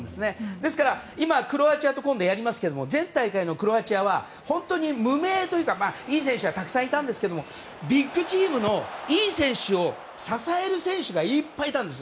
ですから今度クロアチアとやりますけど前大会のクロアチアは本当に無名というかいい選手がたくさんいたんですけれどもビッグチームのいい選手を支える選手がいっぱいいたんです。